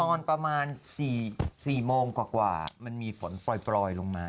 ตอนประมาณ๔โมงกว่ามันมีฝนปล่อยลงมา